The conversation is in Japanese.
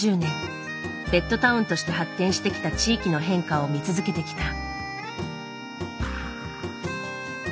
ベッドタウンとして発展してきた地域の変化を見続けてきた。